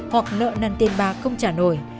hoặc nợ năn tiền bạc không trả nổi